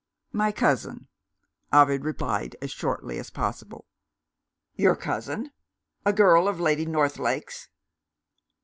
"My cousin," Ovid replied as shortly as possible. "Your cousin? A girl of Lady Northlake's?"